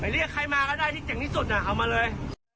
เรียกใครมาก็ได้ที่เจ๋งที่สุดเอามาเลย